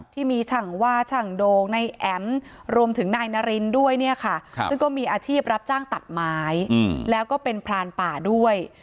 ที่มีช่างว่าช่างโดงในแอ๋มรวมถึงนายนารินด้วยเนี่ยค่ะซึ่งก็มีอาชีพรับจ้างตัดไม้แล้วก็เป็นพรานป่าด้วย